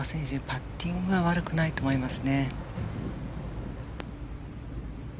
パッティングは悪くないと思います。